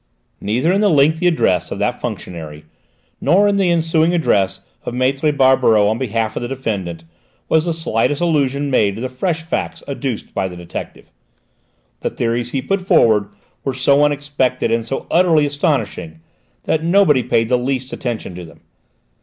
Neither in the lengthy address of that functionary, nor in the ensuing address of Maître Barberoux on behalf of the defendant, was the slightest allusion made to the fresh facts adduced by the detective. The theories he put forward were so unexpected and so utterly astonishing that nobody paid the least attention to them!